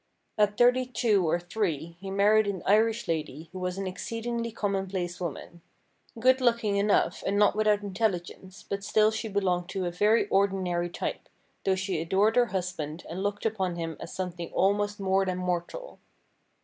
At thirty two or three he married an Irish lady, who was an exceedingly commonplace woman — good looking enough and not without intelligence, but still she belonged to a very ordinary type, though she adored her husband and looked upon him as something almost more than mortal.